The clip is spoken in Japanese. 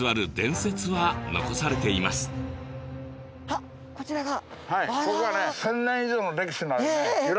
あっこちらが。